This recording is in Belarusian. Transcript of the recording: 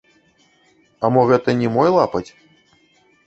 А мо гэта не мой лапаць?